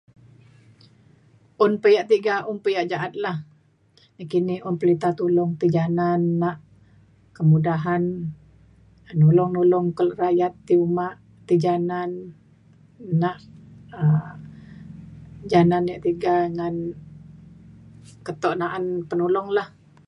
Un pa yak tiga, un pa yak ja'at la, nakini un perintah tulung ti janan, nak kemudahan ngan nulong-nulong, kelo rakyat terima, ti janan, nak um janan yak tiga, keto na'an penulong.